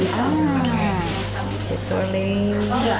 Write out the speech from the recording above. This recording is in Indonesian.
shake sedikit biar dia gak kena